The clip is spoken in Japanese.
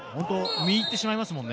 見入ってしまいますもんね。